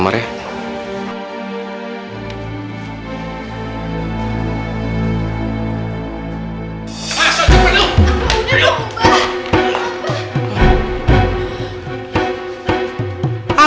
apa udah lu